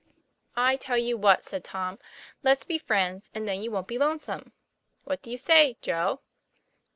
"I tell you what," said Tom; " let's be friends, and then you wont be lonesome. What do you say, Joe?"